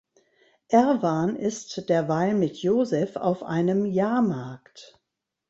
Erwan ist derweil mit Joseph auf einem Jahrmarkt.